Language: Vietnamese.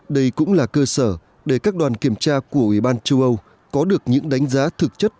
đây cũng là cơ sở để các đoàn kiểm tra của ủy ban châu âu có được những đánh giá thực chất